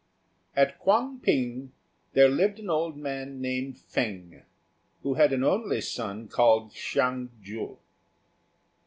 At Kuang p'ing there lived an old man named Fêng, who had an only son called Hsiang ju.